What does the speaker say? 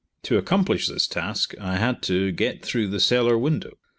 To accomplish this task I had to, get through the cellar window.